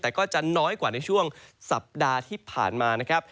แต่ก็จะน้อยกว่าในช่วงสัปดาห์ที่ผ่านมานะครับ